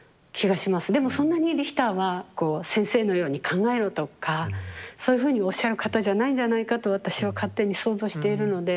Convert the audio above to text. でもそんなにリヒターはこう先生のように考えろとかそういうふうにおっしゃる方じゃないんじゃないかと私は勝手に想像しているので。